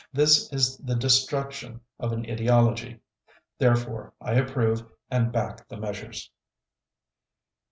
This is the destruction of an ideology. Therefore I approve and back the measures."